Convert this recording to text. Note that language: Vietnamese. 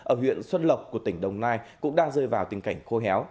ở huyện xuân lộc của tỉnh đồng nai cũng đang rơi vào tình cảnh khô héo